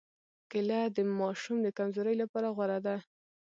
کېله د ماشو د کمزورۍ لپاره غوره ده.